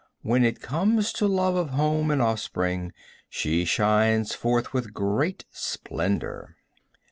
when it comes to love of home and offspring she shines forth with great splendor.